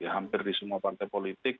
hampir di semua partai politik